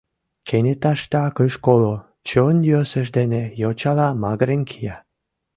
Кенеташтак ыш коло, чон йӧсыж дене йочала магырен кия: